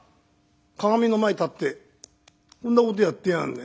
鏡の前立ってこんなことやってやがるね。